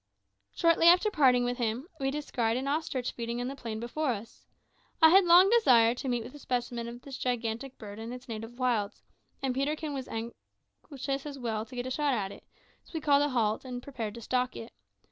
Shortly after parting with him, we descried an ostrich feeding in the plain before us. I had long desired to meet with a specimen of this gigantic bird in its native wilds, and Peterkin was equally anxious to get a shot at it; so we called a halt, and prepared to stalk it.